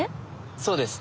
そうですね。